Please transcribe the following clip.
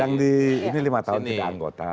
yang di ini lima tahun tidak anggota